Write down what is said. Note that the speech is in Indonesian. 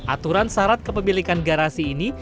aturan syarat kepemilikan garasi ini